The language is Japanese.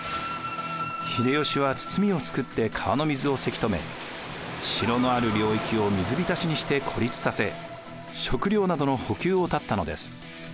秀吉は堤を作って川の水をせき止め城のある領域を水浸しにして孤立させ食料などの補給を断ったのです。